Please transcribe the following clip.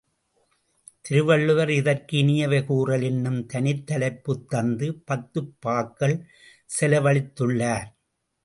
திருவள்ளுவர் இதற்கு இனியவை கூறல் என்னும் தனித் தலைப்பு தந்து பத்துப் பாக்கள் செலவழித்துள்ளார்.